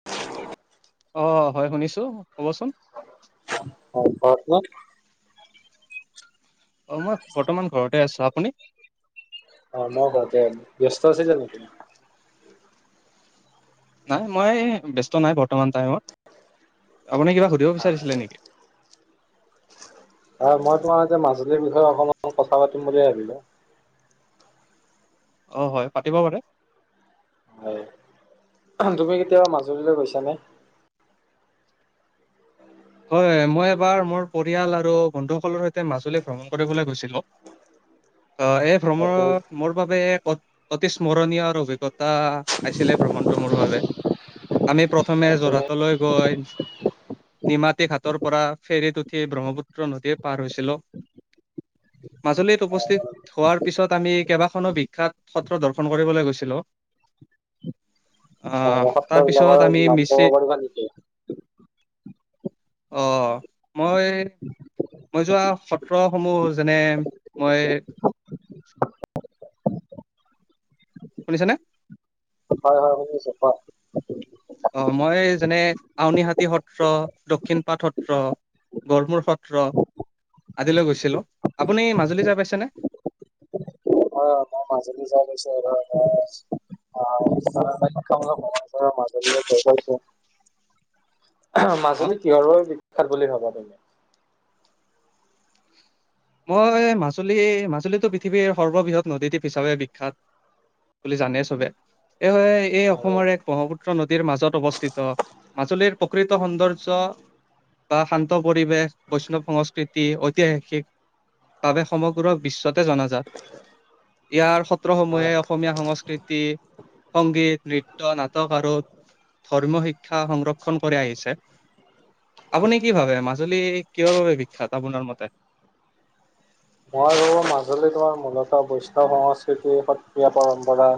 [unintelligible] অ', হয় শুনিছো ক'ব চোন। হয় কওঁক চোন। অ', মই বৰ্তমান ঘৰতে আছো। আপুনি? অ', ময়ো ঘৰতে, ব্যস্ত আছে জানো আপুনি? নাই মই এই ব্যস্ত নাই বৰ্তমান টাইমত। আপুনি কিবা সুধিব বিচাৰিছিলে নেকি? অ, মই তোমাৰ এতিয়া মাজুলীৰ বিষয়ে অকমান কথা পাতিম বুলি ভাবিলোঁ। অ, হয়, পাতিব পাৰে। হয়, তুমি কেতিয়াবা মাজুলীলে গৈছানে? হয়, মই এবাৰ মোৰ পৰিয়াল আৰু বন্ধুসকলৰ সৈতে মাজুলী ভ্ৰমণ কৰিবলে গৈছিলোঁ। অ', এই ভ্ৰমণ অ', তুমি মোৰ বাবে এক অত অতি স্মৰণীয় অভিজ্ঞতা আছিলে ভ্ৰমণ টো মোৰ বাবে। আমি প্ৰথমে অ', তুমি যোৰহাটলৈ গৈ নিমাতী ঘাটৰ পৰা ফেৰীত উঠি ব্ৰহ্মপুত্ৰ নদীয়ে পাৰ হৈছিলো। মাজুলীত উপস্থিত হোৱাৰ পিছত আমি কেইবাখনো বিখ্যাত সত্ৰ দৰ্শন কৰিবলৈ গৈছিলোঁ। অ', সত্ৰ বিলাকৰ তাৰপিছত আমি মিছি [unintelligible] অ', মই মই যোৱা সত্ৰসমূহ যেনে, মই শুনিছানে? হয় হয় শুনিছে কওঁক। অ', মই যেনে আউনিহাতী সত্ৰ, দক্ষিণপাট সত্ৰ গঁড়মূৰ সত্ৰ আদিলৈ গৈছিলো। আপুনি মাজুলী যাই পাইছেনে? অ', মাজুলী যাই পাইছোঁ আৰু ধৰা মই [unintelligible] [inaudible] [unintelligible] অ মাজুলী কিহৰ বাবে বিখ্যাত বুলি ভাবা তুমি? মই মাজুলী মাজুলীটো পৃথিৱীৰ সৰ্ববৃহৎ নদীদ্বীপ হিচাপে বিখ্যাত বুলি জানে চবে। এই এই অসমৰ এক আৰু ব্ৰহ্মপুত্ৰ নদীৰ মাজত অৱস্থিত। মাজুলীৰ প্ৰকৃত সৌন্দৰ্য বা শান্ত পৰিৱেশ বৈষ্ণৱ সংস্কৃতি ঐতিহাসিক বাবে সমগ্ৰ বিশ্বতে জনাজাত। ইয়াৰ সত্ৰসমূহে অসমীয়া সংস্কৃতি সংগীত, নৃত্য, নাটক আৰু ধৰ্ম শিক্ষা সংৰক্ষণ কৰি আহিছে। আপুনি কি ভাবে মাজুলী কিহৰ বাবে বিখ্যাত আপোনাৰ মতে। মই আৰু মাজুলী তোমাৰ মূলতঃ বৈষ্ণৱ সংস্কৃতি সত্ৰীয়া পৰম্পৰা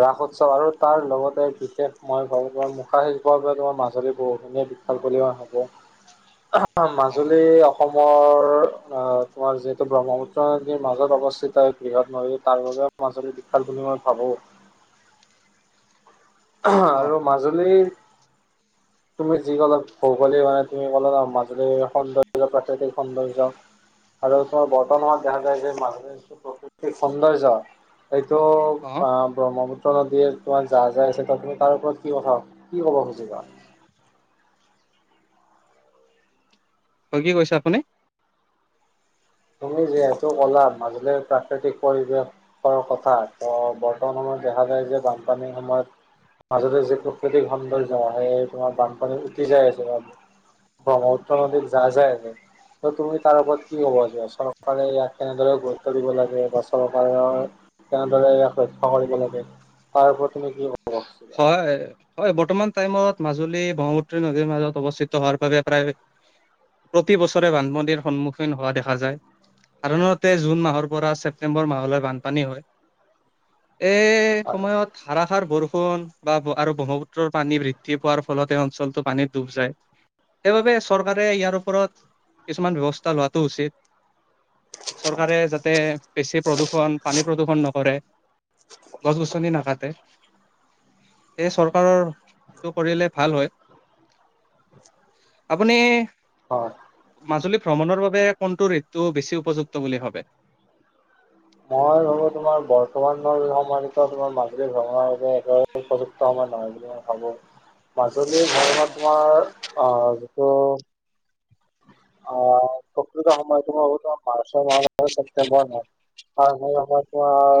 ৰাস উৎসৱ আৰু তাৰ লগতে বিশেষ মই ভাবো তোমাৰ মুখা শিল্প বাবে তোমাৰ মাজুলী বহু গুণে বিখ্যা [unintelligible] [inaudible] অ', মাজুলী অসমৰ অ', তোমাৰ যি ত, ব্ৰহ্মপুত্ৰৰ নদীৰ মাজত অৱস্থিত, এক বৃহৎ নদী তাৰ বাবেও মাজুলী বিশাল বুলি মই ভাবো। আহ অ', আৰু মাজুলীৰ তুমি যি ক'লা ভৌগলিক মানে তুমি ক'লা [unintelligible] মাজুলীৰ সৌন্দৰ্য্য প্ৰাকৃতিক সৌন্দৰ্য্য আৰু তোমাৰ বৰ্তমান সময়ত দেখা যায় যে মানুহে যিটো প্ৰাকৃতিক সৌন্দৰ্য এইটো অ' অ ব্ৰহ্মপুত্ৰ নদীৰ তোমাৰ যাহা যাই আছে ত তুমি তাৰ ওপৰত কি কথা কি ক'ব খুজিবা। অ কি কৈছে আপুনি। তুমি যিহেতু কলা মাজুলীৰ প্ৰাকৃতিক পৰিৱেশ কথা ত' বৰ্তমান সময়ত দেখা যায় যে বানপানীৰ সময়ত মাজতে যি প্ৰাকৃতিক সৌন্দৰ্য সেই তোমাৰ বানপানীত উটি যায় আছে ন'। ব্ৰহ্মপুত্ৰৰ নদীত যায়, যায় আছে, ত তুমি তাৰ ওপৰত কি ক'ব যোৱা। চৰকাৰে ইয়াক কেনেদৰে গুৰুত্ব দিব লাগে বা চৰকাৰৰ কেনেদৰে ইয়াক ৰক্ষা কৰিব লাগে তাৰ প্ৰতি তুমি কি কব [unintelligible] হয়, হয়, বৰ্তমান টাইমত মাজুলী ব্ৰহ্মপুত্ৰ নদীৰ মাজত অৱস্থিত হোৱাৰ বাবে প্ৰায় প্ৰতি বছৰে বানপানীৰ সন্মুখীন হোৱা দেখা যায়। সাধাৰণতে জুন মাহৰ পৰা ছেপ্টেম্বৰ মাহলৈ বানপানী হয়। এ হয়, সময়ত ধাৰাসাৰ বৰষ পোন বা আৰু ব্ৰহ্মপুত্ৰৰ পানী বৃদ্ধি পোৱাৰ ফলত এই অঞ্চলটো পানীত ডুব যায়। সেইবাবে চৰকাৰে ইয়াৰ ওপৰত কিছুমান ব্যৱস্থা লোৱাটো উচিত। চৰকাৰে যাতে বেছি প্ৰদূষণ, পানী প্ৰদূষণ নকৰে। গছ-গছনি নাকাটে। চৰকাৰৰ সেইটো কৰিলে ভাল হয়। আপুনি হয়। মাজুলী ভ্ৰমণৰ বাবে কোনটো ঋতু বেছি উপযুক্ত বুলি ভাবে? মই ভাবো তোমাৰ বৰ্তমান [unintelligible] তোমাৰ মাজুলী ভ্ৰমণৰ বাবে একে উপযুক্ত সময় নহয় বুলি মই ভাবোঁ। [inaudible] মাজুলীৰ [unintelligible] অ, তোমাৰ, আঁ যিটো অ' ক [unintelligible] মাৰ্চৰ মাহৰ পৰা ছেপ্টেম্বৰ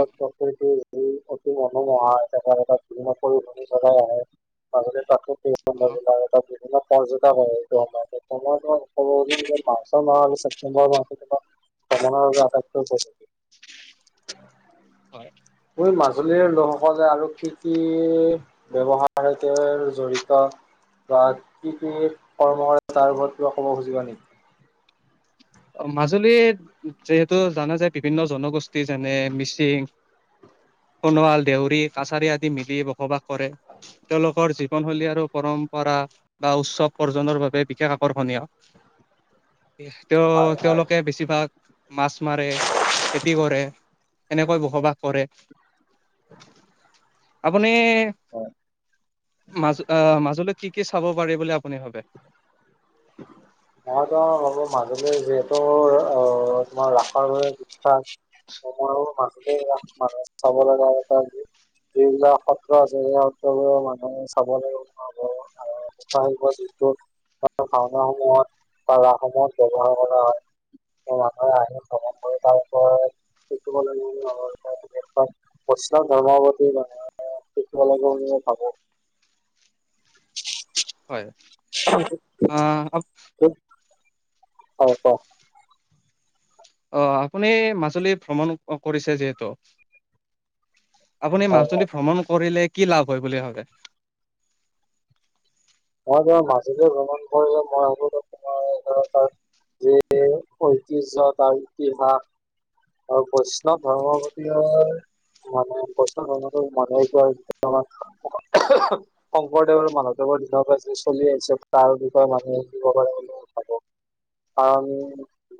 অ, [unintelligible] অ, [unintelligible] [inaudible] [unintelligible] আটাতকৈ [unintelligible] হয়। মই মাজুলীৰ লোকসকলে আৰু কি কি ব্যৱসায়ৰ সৈতে জড়িত তাত কি কি কৰ্ম হয় তাৰ ওপৰত কিবা ক'ব খুজিবা নি? অ, মাজুলীত যিহেতু জানা যে বিভিন্ন জনগোষ্ঠী যেনে মিছিং সোণোৱাল, দেউৰী, কাছাৰী আদি মিলি বসবাস কৰে। তেওঁলোকৰ জীৱনশৈলী আৰু পৰম্পৰা বা উৎসৱ পৰ্জনৰ বাবে বিশেষ আকৰ্ষণীয়। এহ হয় তেওঁ হয়। তেওঁলোকে বেছিভাগ মাছ মাৰে, খেতি কৰে। এনেকৈ বসবাস কৰে। [unintelligible] আপুনি, অ মাজ আহ মাজুলীত কি কি চাব পাৰি বুলি আপুনি ভাবে? [inaudible] মইতো ভাবো মাজুল যিহেতু অ ৰসৰ দৰে বিখ্যাত তোমাৰ ৰাসাৰ দৰে [unintelligible] চাব লগ যি যবিলাক সত্ৰ আছে সেই সত্ৰবোৰৰ মানুহে চাব লাগিব। [unintelligible] যি টো, খাওনা সমূহত বা ৰাসসমূহত ব্যৱহাৰ কৰা হয়। মানুহে আইন গ্ৰহন কৰে তাৰ পাছত [unintelligible] সটো মানে মুছলাম ধৰ্মৱান শিকিব লাগিব বুলি মই ভাবো। হয় আ অ কওক অ আপুনি মাজুলী ভ্ৰমণ কৰিছে যিহেতু, আপুনি হয় হয় মাছজনদি ভ্ৰমণ কৰিলে কি লাভ হয় বুলি ভাবে। মই ব মাজুল ভ্ৰমণ কৰিলো মই হলো তোমাৰ ঘ যি অতিয্য আৰু ইতিহাস আৰু বৈষ্ণৱ ধৰ্মৱত [unintelligible] শংকৰদেৱৰ আৰু মাধৱদেৱৰ তিথি চলি আহিছে তাৰ বিষয়ে মানুহে দিব পাৰে বুলি ভাবো কাৰণ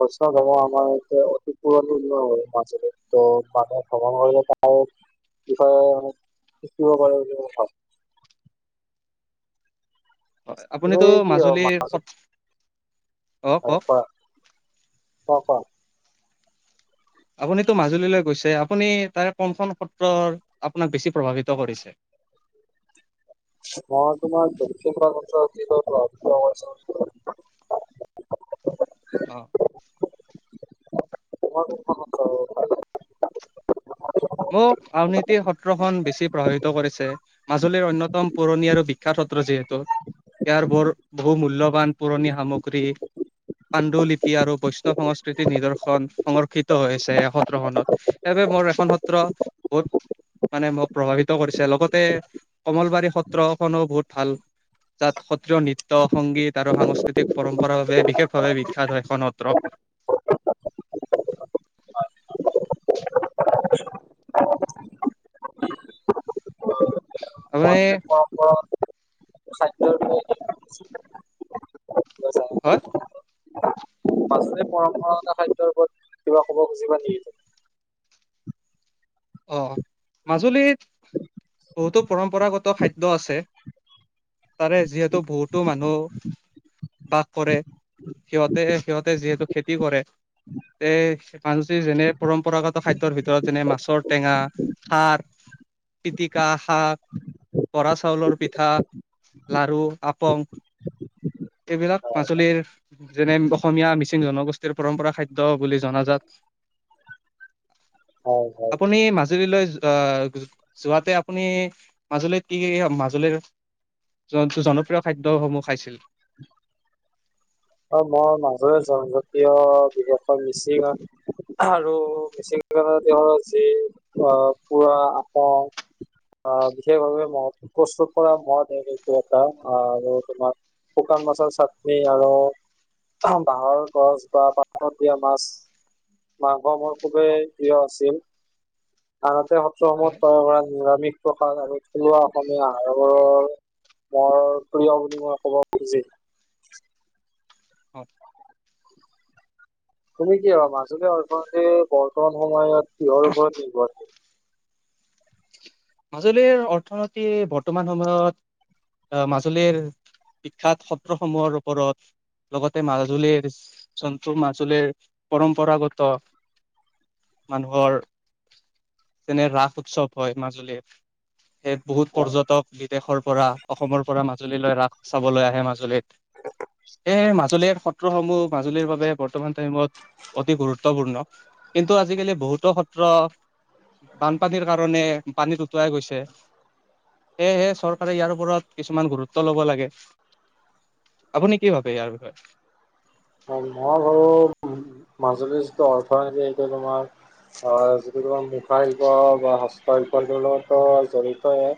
বৈষ্ণৱ ধৰ্ম আমাৰ ইতে অতি পুৰণি ন মাজৰে ম ভ্ৰমণলে। বিষয়ে শিকিব পাৰে বুলি মই ভাবো। হয় আপুনিতো মাজুলীৰ সত্ৰ [unintelligible] অ কোৱা। অ ক। আপুনিতো মাজুলীলৈ গৈছে আপুনি তাৰে কোনখন সত্ৰৰ আপোনাক বেছি প্ৰভাৱিত কৰিছে। মই তোমাৰ অ [unintelligible] [unintelligible] মোক আনীতি সত্ৰখন বেছি প্ৰভাৱিত কৰিছে মাজুলীৰ অন্যতম পুৰণি আৰু বি শিক্ষ সত্ৰ যিহেতু ইয়াৰ বৰ বহু মূল্যবান পুৰণি সামগ্ৰী পাণ্ড লিপি আৰু বৈষ্ণৱ সংস্কৃতিৰ নিদৰ্শন সংৰক্ষিত হৈ আছে এই সত্ৰখনত। সেই বাবে মোৰ এখন সত্ৰ বত মানে মোক প্ৰভাৱিত কৰিছে লগতে কমলবাৰী সত্ৰখনো বহুত ভাল। তাত সত্ৰীয় নৃত্য সংগীত আৰু সাংস্কৃতিক পৰম্পৰাৰ বাবে বিশেষভাৱে বিখ্যাত হয় এখন সত্ৰ। আপুনি [unintelligible] হয়। পচৰে পৰম্পৰাগত খাদ্যৰ ওপৰত কিবা ক'ব খুজিবা নেকি। অ মাজুলীত বহুতো পৰম্পৰাগত খাদ্য আছে। তাৰে যিহেতু বহুতো মানুহ, বাস কৰে সিহঁতে সিহঁতে যিহেতু খেতি কৰে। তে মানুহজি যেনে পৰম্পৰাগত খাদ্যৰ ভিতৰত যেনে মাছৰ টেঙা সাৰ পিতিকা শাক, বৰা চাউলৰ পিঠা লাৰু আপং। সেইবিলাক মাজুলীৰ যেনে অসমীয়া মিচিং জনগোষ্ঠীৰ পৰম্পৰা খাদ্য বুলি জনাজাত। হয় হয় আপুনি মাজুলীলৈ আহ যোৱাতে আপুনি, মাজুলীত কি মাজুলীৰ জোনটো জনপ্ৰিয় খাদ্যসমূহ খাইছিল। অ', মই মাজৰে জনজাতীয় বিদেশৰ মিচিংত। আৰু মিচিং [unintelligible] তেওঁৰ যি অ', পুৰা আপং আহ, বিশেষভাৱে মদ, প্ৰস্তুত মদ কৰা মদ এইটো এটা আৰু তোমাৰ শুকান মাছৰ চাটনি আৰু বাহৰ গছ বা পাতত দিয়া মাছ। মাংস মোৰ খুবেই অ প্ৰিয় আছিল, আনহাতে সত্ৰসমূহৰ হয় পৰা নিৰামিষ। প্ৰসাদ আৰু থলুৱা অসমীয়া আহাৰৰ বোৰ, মোৰ প্ৰিয় বুলি মই ক'ব খুজি। অ'। তুমি কি ভাবা, মাজুলী অৰ্থ যে বৰ্তমান সময়ত কিহৰ ওপৰত নিৰ্ভৰ? মাজুলীৰ অৰ্থতিৰ বৰ্তমান সময়ত আহ, মাজুলীৰ, বিখ্যাত সত্ৰসমূহৰ ওপৰত লগতে মাজুলীৰ, জোনটো মাজুলীৰ পৰম্পৰাগত মানুহৰ যেনে ৰাস উৎসৱ হয় মাজুলীৰ। সেই বহুত অ- পৰ্যটক বিদেশৰ পৰা, অসমৰ পৰা মাজুলীলৈ ৰাস চাবলে আহে মাজুলীত। [inaudible] এই মাজুলীৰ সত্ৰসমূহ মাজুলীৰ বাবে বৰ্তমান টাইমত অতি গুৰুত্বপূৰ্ণ। কিন্তু আজিকালি বহুতো সত্ৰ বানপানীৰ কাৰণে পানীত উটুৱাই গৈছে। সেয়েহে চৰকাৰে ইয়াৰ ওপৰত কিছুমান গুৰুত্ব ল'ব লাগে। আপুনি কি ভাবে, ইয়াৰ বিষয়ে? মই ভাৰো, মাজুলীৰ যিটো অৰ্থনীতি সেইটো তোমাৰ হয়, যিটো তোমাৰ মুখা শিল্প বা হস্ত শিল্পৰ লগত জৰিতয়ে।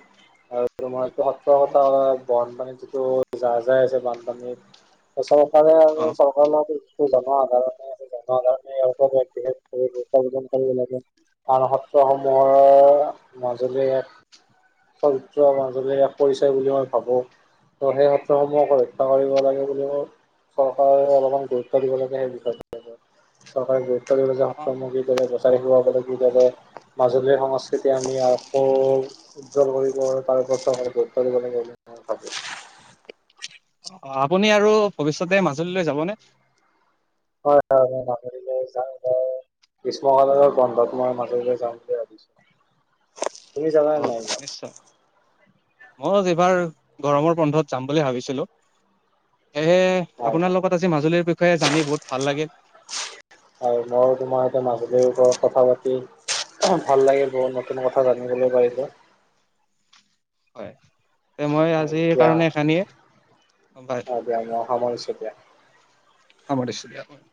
হয়, [unintelligible] সঁচা কথা অ বানপানীত যিটো যাৰ যায় আছে বানপানী, চৰকাৰে আৰু চৰ [unintelligible] আনা সত্ৰসমূহৰ মাজুলীয়ে চ'মাজুলীৰ এক পৰিচয় বুলি মই ভাবো। ত' সেই সত্ৰসমূহক পৰীক্ষা কৰিব লাগে বুলিও, চৰকাৰে অলপ মান গুৰুত্ব দিব লাগে সেই বিষয়টো ওপৰত, চৰকাৰে গুৰুত্ব অ অ দিব [unintelligible] [unintelligible] মাজুলীৰ সংস্কৃতি আমি আকৌ উজ্জ্বল কৰিব তাৰপাছতো গুৰুত্ব দিব লাগে বুলি মই ভাবো। অ', আপুনি আৰু ভৱিষ্যতে মাজুলীলৈ যাবনে? হয়, হয়। মই মাজুলীলৈ যাম বাৰু। গিষ্মকালীন বন্ধত মই মাজুললৈ যাম বুলি ভাবিছো। অ', নিশ্চয়। ময়ো এবাৰ গৰমৰ বন্ধত যাম বুলি ভাবিছিলো, সেই হয় আপোনাৰ হয়। লগত আজি মাজুলীৰ বিষয়ে জানি বহুত ভাল লাগিল। আৰু মই তোমাৰ এটা মাজুলীৰ ওপৰত কথা পাতি ভাল লাগিল বহুত নতুন কথা জানিবলৈ পাৰিলো। হয়। মই হয় দিয়া, আজিৰকাৰণে এইখিনিয়ে বাই। অ' দিয়া মই সামৰিছো দিয়া। হব‌ [unintelligible] দিছো দে।